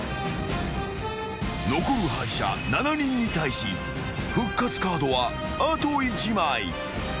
［残る敗者７人に対し復活カードはあと１枚］